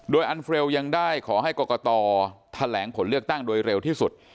โดยอันเฟรลยังได้ขอให้กรกตแถลงผลเลือกตั้งโดยเร็วที่สุด